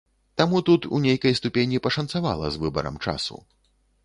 Таму тут у нейкай ступені пашанцавала з выбарам часу.